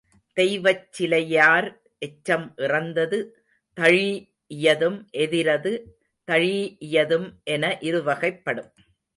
தெய்வச்சிலையார் எச்சம் இறந்தது தழீஇயதும் எதிரது தழீஇயதும் என இருவகைப்படும்.